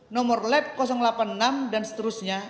nomor lab delapan puluh enam dan seterusnya